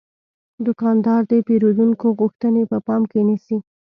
دوکاندار د پیرودونکو غوښتنې په پام کې نیسي.